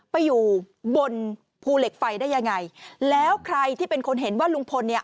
ไปอยู่บนภูเหล็กไฟได้ยังไงแล้วใครที่เป็นคนเห็นว่าลุงพลเนี่ย